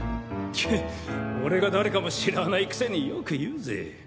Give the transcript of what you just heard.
けっ俺が誰かも知らないくせによく言うぜ。